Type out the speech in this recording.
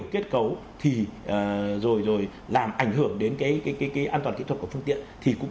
cái kết cấu thì rồi rồi làm ảnh hưởng đến cái cái cái cái an toàn kỹ thuật của phương tiện thì cũng